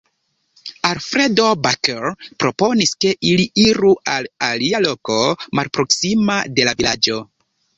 Alfredo Baker proponis ke ili iru al alia loko, malproksima de la vilaĝo.